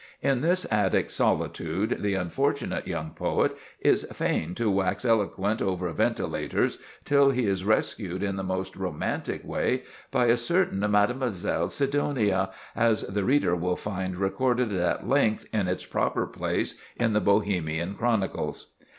In this attic solitude the unfortunate young poet is fain to wax eloquent over ventilators, till he is rescued in the most romantic way by a certain Mademoiselle Sidonia, as the reader will find recorded at length in its proper place in the Bohemian chronicles.